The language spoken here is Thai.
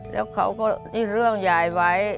แล้วเขาก็นิดเรื่องใหญ่ไว้